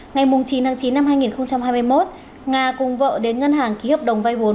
ngày chín chín hai nghìn hai mươi một ngà cùng vợ đến ngân hàng ký hợp đồng vay vốn